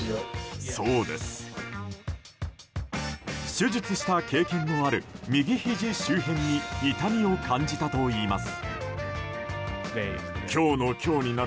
手術した経験のある右ひじ周辺に痛みを感じたといいます。